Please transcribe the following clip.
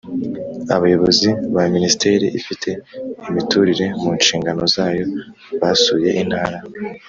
Abayobozi ba Minisiteri ifite imiturire mu nshingano zayo basuye Intara